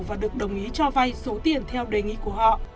và được đồng ý cho vay số tiền theo đề nghị của họ